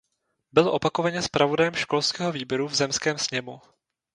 Byl opakovaně zpravodajem školského výboru v zemském sněmu.